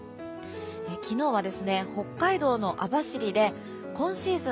昨日は北海道の網走で今シーズン